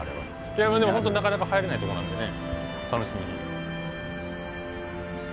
いやでも本当なかなか入れないとこなんでね楽しみ。